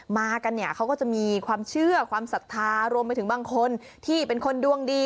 มากันเนี่ยเขาก็จะมีความเชื่อความศรัทธารวมไปถึงบางคนที่เป็นคนดวงดี